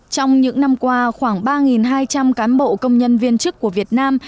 trong những năm qua khoảng ba hai trăm linh cán bộ công nhân viên chức của việt nam